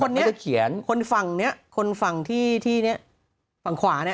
คือแบบว่าแล้วที่รักษามาตั้งแต่ต้นพังหมดเลยตำรวจเขาเริ่มสงสัยนะฮะ